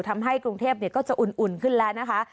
ทำให้กรุงเทพก็จะอุ่นขึ้นแล้วนะคะ